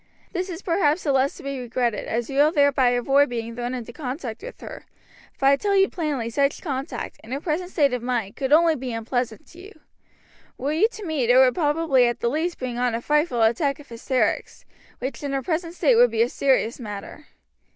This is perhaps the less to be regretted, as you will thereby avoid being thrown into contact with her; for I tell you plainly such contact, in her present state of mind, could only be unpleasant to you. Were you to meet, it would probably at the least bring on a frightful attack of hysterics, which in her present state might be a serious matter.